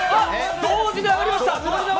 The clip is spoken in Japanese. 同時に上がりました。